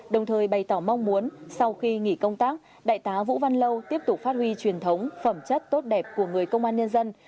đồng thời bày tỏ mong muốn sau khi nghỉ công tác đại tá vũ văn lâu tiếp tục phát huy truyền thống phẩm chất tốt đẹp của người công an nhân dân